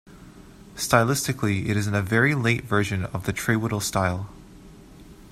Stylistically it is "in a very late version of the Trewhiddle style".